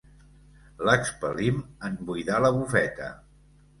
L'expel·lim en buidar la bufeta.